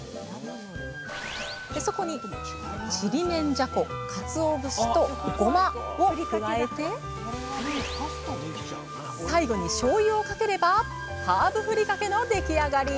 そこにちりめんじゃこかつお節とゴマを加えて最後にしょうゆをかければハーブふりかけの出来上がり！